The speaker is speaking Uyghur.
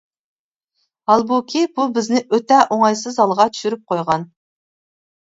ھالبۇكى بۇ بىزنى ئۆتە ئوڭايسىز ھالغا چۈشۈرۈپ قۇيغان.